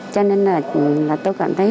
cho nên là tôi cảm thấy